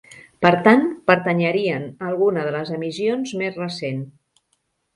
Per tant pertanyerien a alguna de les emissions més recent.